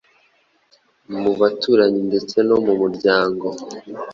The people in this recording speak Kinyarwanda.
mu baturanyi ndetse no mu muryango.